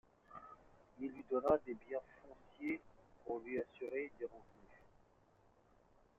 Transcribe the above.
Il lui donna des biens fonciers pour lui assurer des revenus.